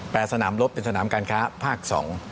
สนามลบเป็นสนามการค้าภาคสอง